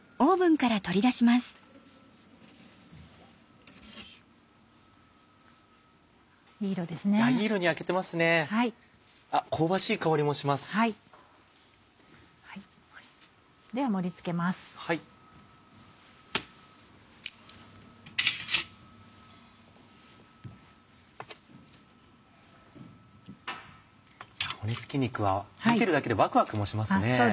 骨つき肉は見てるだけでワクワクもしますね。